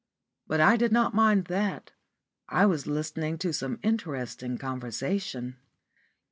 But I did not mind that; I was listening to some interesting conversation.